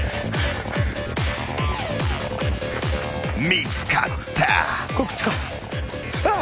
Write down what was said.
［見つかった］あっ！？